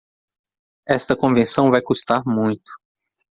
Esta convenção vai custar muito.